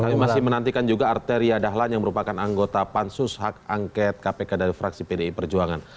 kami masih menantikan juga arteria dahlan yang merupakan anggota pansus hak angket kpk dari fraksi pdi perjuangan